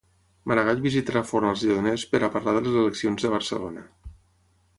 Maragall visitarà Forn als Lledoners per a parlar de les eleccions de Barcelona.